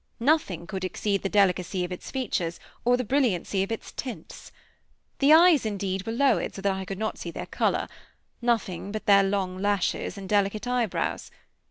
Nothing could exceed the delicacy of its features, or the brilliancy of its tints. The eyes, indeed, were lowered, so that I could not see their color; nothing but their long lashes and delicate eyebrows.